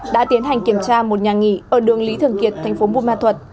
đã tiến hành kiểm tra một nhà nghỉ ở đường lý thường kiệt thành phố buôn ma thuật